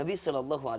betulkah ada beginian